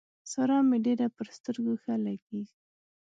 سارا مې ډېره پر سترګو ښه لګېږي.